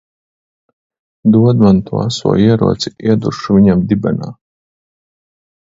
Dod man to aso ieroci, ieduršu viņam dibenā!